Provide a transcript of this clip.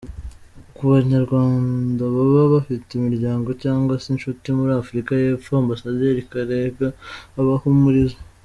Ku banyarwandababa bafite imiryango cyangwa se inshuti muri Afurika y’Epfo, Ambasaderi Karega abahumuriza.